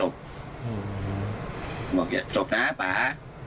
บอกอย่าจบนะป่า